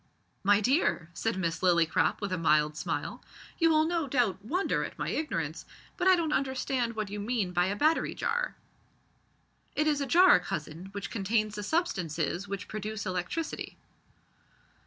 "My dear," said Miss Lillycrop, with a mild smile, "you will no doubt wonder at my ignorance, but I don't understand what you mean by a battery jar." "It is a jar, cousin, which contains the substances which produce electricity."